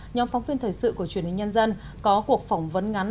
nhóm phóng viên thời sự của truyền hình nhân dân có cuộc phỏng vấn ngắn